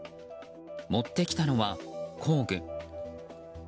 持ってきたのは、工具。